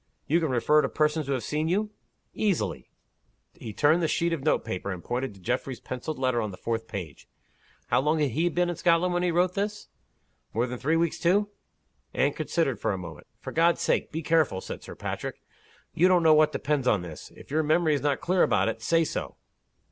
"You can refer to persons who have seen you?" "Easily." He turned the sheet of note paper, and pointed to Geoffrey's penciled letter on the fourth page. "How long had he been in Scotland, when he wrote this? More than three weeks, too?" Anne considered for a moment. "For God's sake, be careful!" said Sir Patrick. "You don't know what depends on this, If your memory is not clear about it, say so."